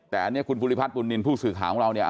แต่เนี่ยคุณภูลิพัฒน์ปุ้นนินผู้สื่อข่าวของเรานี่